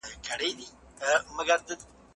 که رښتيا ووايې هيڅکله به له شرم سره مخ نه سې.